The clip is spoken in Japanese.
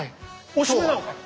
おしまいなのか！